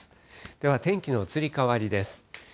では、天気の移り変わりです。